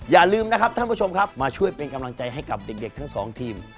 อย่าลืมนะครับท่านผู้ชมครับมาช่วยเป็นกำลังใจให้กับเด็กทั้งสองทีม